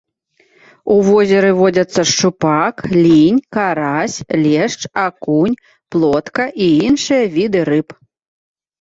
У возеры водзяцца шчупак, лінь, карась, лешч, акунь, плотка і іншыя віды рыб.